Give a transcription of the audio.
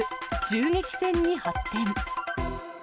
銃撃戦に発展。